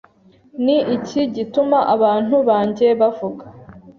Ni iki gituma abantu banjye bavuga